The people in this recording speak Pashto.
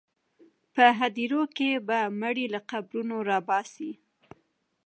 په هدیرو کې به مړي له قبرونو راپاڅي.